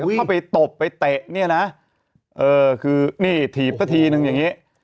เข้าไปตบไปเตะเนี่ยนะเออคือนี่ถีบซะทีนึงอย่างนี้